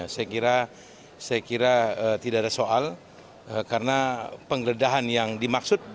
saya kira tidak ada soal karena penggeledahan yang dimaksud